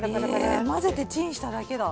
え混ぜてチンしただけだ。